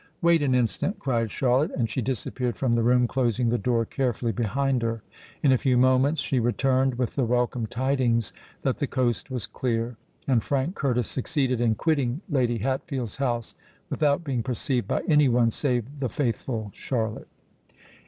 "Wait an instant," cried Charlotte; and she disappeared from the room, closing the door carefully behind her. In a few moments she returned, with the welcome tidings that the coast was clear; and Frank Curtis succeeded in quitting Lady Hatfield's house without being perceived by any one save the faithful Charlotte.